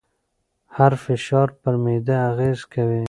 هر فشار پر معده اغېز کوي.